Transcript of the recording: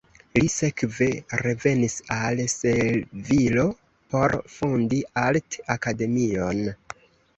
Li sekve revenis al Sevilo por fondi art-akademion.